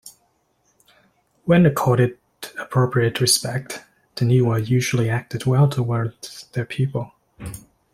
When accorded appropriate respect, taniwha usually acted well towards their people.